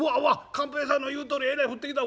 寛平さんの言うとおりえらい降ってきた。